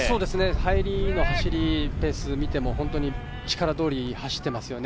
入りの走りのペースを見ても、本当に力通り走っていますよね。